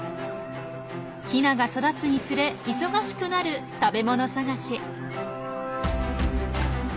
ヒナが育つにつれ忙しくなる食べ物探し。